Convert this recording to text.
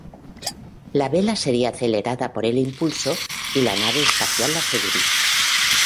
La vela sería acelerada por el impulso y la nave espacial la seguiría.